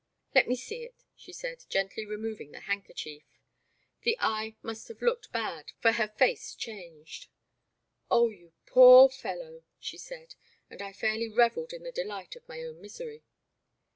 Let me see it," she said, gently removing the handkerchief. The eye must have looked bad, for her face changed. Oh, you poor fellow," she said, and I fairly revelled in the delight of my own misery.